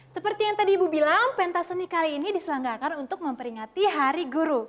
seperti yang tadi ibu bilang pentas seni kali ini diselanggakan untuk memperingati hari guru